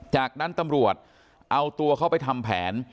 จากนั้นตำรวจเอาตัวเข้าไปทำแผน